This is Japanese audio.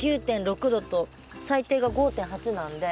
２９．６℃と最低が５．８なんで。